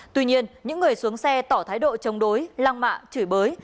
tuy nhiên những người xuống xe tỏ thái độ chống đối lăng mạ chửi bới